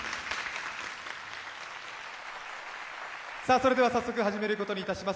それでは早速始めることにいたします。